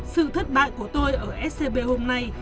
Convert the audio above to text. sự thất bại của tôi ở scb hôm nay